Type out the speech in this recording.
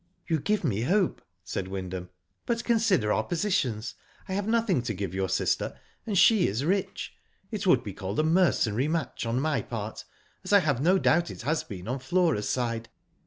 "You give me hope," said Wyndham. "But Digitized byGoogk 222 WHO DID ITt consider our positions. I have nothing to give your sister, and she is rich. It would be called a mercenary match on my part, as I have no doubt it has been on Flora's side."